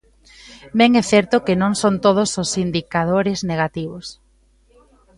Ben é certo que non son todos os indicadores negativos.